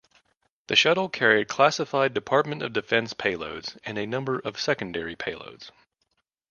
The shuttle carried classified Department of Defense payloads and a number of secondary payloads.